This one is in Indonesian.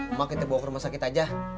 emak kita bawa ke rumah sakit aja